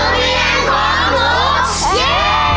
มีแอ่มกอมหมู